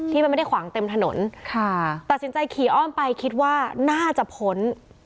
มันไม่ได้ขวางเต็มถนนค่ะตัดสินใจขี่อ้อมไปคิดว่าน่าจะพ้น